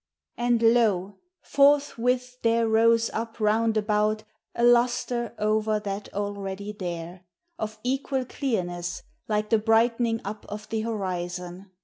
And lo! forthwith there rose up round about A lustre, over that already there; Of equal clearness, like the brightening up Of the horizon.